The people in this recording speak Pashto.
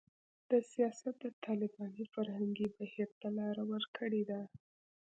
دا سیاست د طالباني فرهنګي بهیر ته لاره ورکړې ده